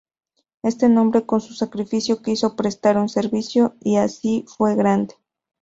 Este hombre, con su sacrificio, quiso prestar un servicio, y así fue grande.